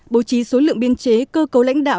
bố trí số lượng biên chế cơ cấu lãnh đạo